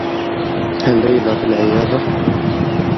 هل ليلى في العيادة؟